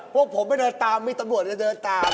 พวกผมไปเดินตามมีตำรวจจะเดินตาม